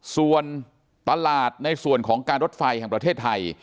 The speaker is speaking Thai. ส่วนตลาดในส่วนของการรถไฟแห่งประเทศไทย